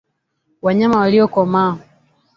wanyama waliokomaa